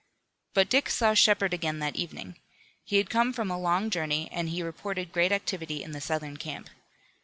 But Dick saw Shepard again that evening. He had come from a long journey and he reported great activity in the Southern camp.